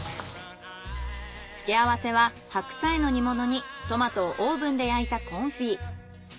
付け合わせは白菜の煮物にトマトをオーブンで焼いたコンフィ。